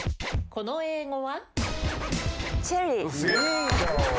この英語は？